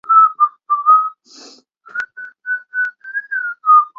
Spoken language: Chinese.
原址将开设太平洋影城。